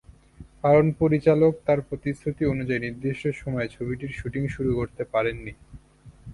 কারণ, পরিচালক তাঁর প্রতিশ্রুতি অনুযায়ী নির্দিষ্ট সময়ে ছবিটির শুটিং শুরু করতে পারেননি।